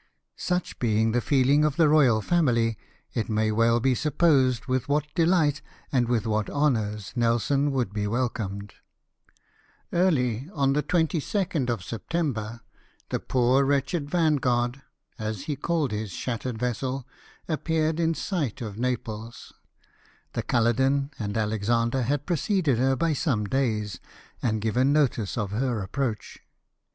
Such being the feelings of the royal family, it may well be supposed with what delight, and with what honours. Nelson would be welcomed. Early on the 22nd of September the poor wretched Vanguard, as he called his shattered vessel, appeared in sight of Naples. The CuUoden and Alexander had preceded her by some days, and given notice of her approach.